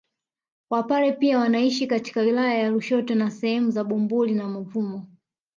Wapare pia wanaishi katika wilaya ya Lushoto na sehemu za Bumbuli na Mavumo